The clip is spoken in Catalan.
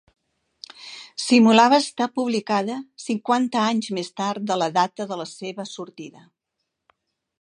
Simulava estar publicada cinquanta anys més tard de la data de la seva sortida.